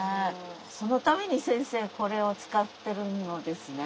そのために先生これを使ってるのですね。